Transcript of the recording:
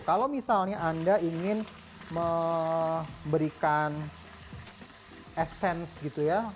kalau misalnya anda ingin memberikan esseins gitu ya